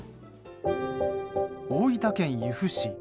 大分県由布市。